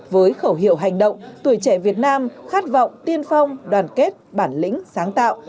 với khẩu hiệu hành động tuổi trẻ việt nam khát vọng tiên phong đoàn kết bản lĩnh sáng tạo